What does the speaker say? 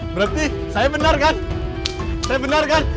berarti saya benar kan saya benar kan